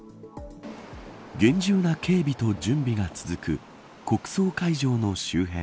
厳重な警備と準備が続く国葬会場の周辺。